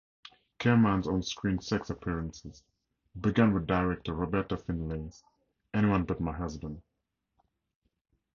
Kerman's on-screen sex appearances began with director Roberta Findlay's "Anyone But My Husband".